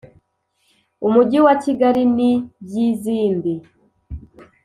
Umujyi wa Kigali n iby izindi